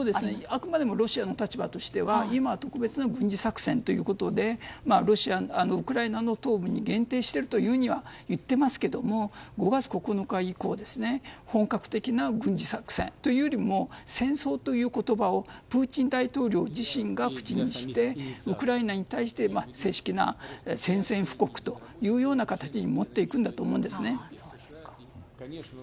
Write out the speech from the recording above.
あくまでもロシアの立場としては今は特別な軍事作戦ということでウクライナの東部に限定しているとは言ってますけど５月９日以降本格的な軍事作戦というよりも戦争という言葉をプーチン大統領自身が口にして、ウクライナに対して正式な宣戦布告というような形に持っていくんだと思うんですね。